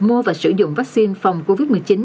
mua và sử dụng vaccine phòng covid một mươi chín